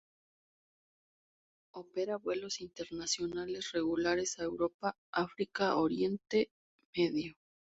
Opera vuelos internacionales regulares a Europa, África y Oriente Medio.